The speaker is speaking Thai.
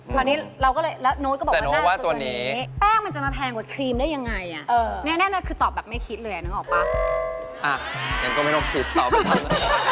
ตอนนี้เราก็เลยแล้วโน๊ตก็บอกว่าตัวนี้แป้งมันจะมาแพงกว่าครีมได้ยังไงแน่คือตอบแบบไม่คิดเลยอ่ะยังก็ไม่ต้องคิดตอบไปทั้ง